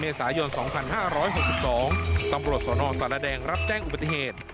เมษายน๒๕๖๒ตำรวจสนสารแดงรับแจ้งอุบัติเหตุ